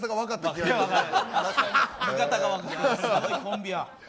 すごいコンビや。